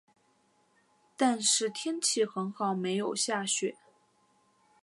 但是天气很好没有下雪